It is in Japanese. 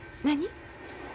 何？